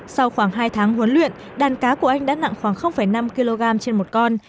sau khoảng hai tháng huấn luyện đàn cá của anh đã nặng khoảng năm kg trên một con